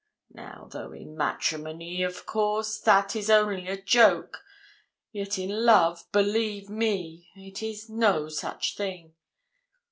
Now, though in matrimony, of course, that is only a joke, yet in love, believe me, it is no such thing.